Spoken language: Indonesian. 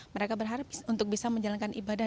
mereka berharap untuk bisa menjalankan ibadah